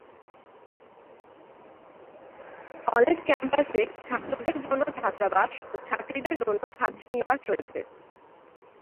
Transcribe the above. College ক্যাম্পাসে ছাত্রদের জন্য ছাত্রাবাস ও ছাত্রীদের জন্য ছাত্রী নিবাস রয়েছে।